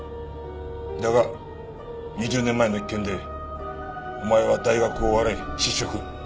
だが２０年前の一件でお前は大学を追われ失職。